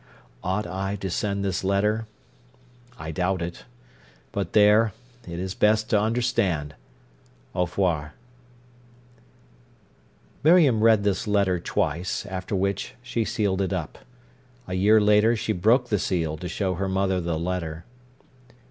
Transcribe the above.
"Ought I to send this letter?—I doubt it. But there—it is best to understand. Au revoir." Miriam read this letter twice, after which she sealed it up. A year later she broke the seal to show her mother the letter.